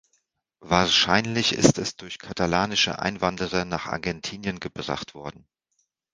Wahrscheinlich ist es durch katalanische Einwanderer nach Argentinien gebracht worden.